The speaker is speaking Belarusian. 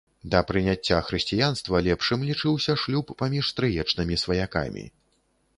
Да прыняцця хрысціянства лепшым лічыўся шлюб паміж стрыечнымі сваякамі.